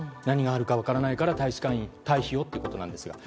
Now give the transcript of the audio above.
何があるか分からないから大使館へ退避をということです。